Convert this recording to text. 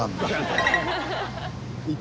はい。